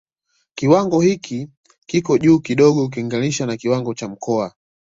Kiwango hiki kiko juu kidogo ukilinginisha na kiwango cha Mkoa